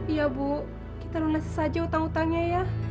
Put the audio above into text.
iya bu kita lunasi saja hutang hutangnya ya